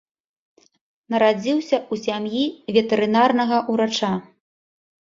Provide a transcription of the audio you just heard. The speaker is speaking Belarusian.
Нарадзіўся ў сям'і ветэрынарнага ўрача.